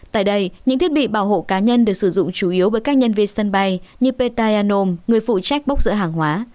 tại đây những thiết bị bảo hộ cá nhân được sử dụng chủ yếu bởi các nhân viên sân bay như peter yanom người phụ trách bốc dựa hàng hóa